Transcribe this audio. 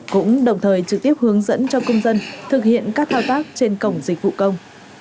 cũng đồng thời trực tiếp hướng dẫn cho công dân thực hiện các thao tác trên cổng dịch vụ công